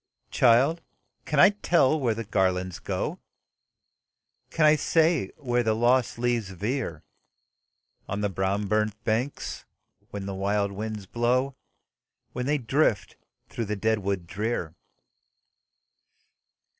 "Child! can I tell where the garlands go? Can I say where the lost leaves veer On the brown burnt banks, when the wild winds blow, When they drift through the dead wood drear?